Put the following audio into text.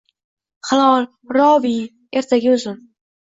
Hilol – roviy, ertagi uzun